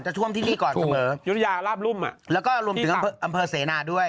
ท่วมที่นี่ก่อนเสมอยุธยาราบรุ่มแล้วก็รวมถึงอำเภอเสนาด้วย